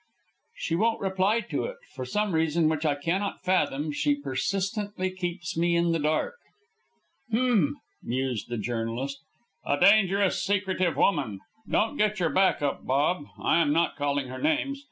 "She won't reply to it. For some reason which I cannot fathom she persistently keeps me in the dark." "H'm!" mused the journalist. "A dangerous, secretive woman! Don't get your back up, Bob, I am not calling her names.